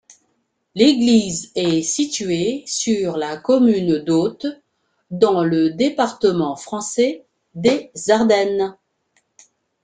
L'église est située sur la commune d'Authe, dans le département français des Ardennes.